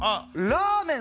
ラーメン。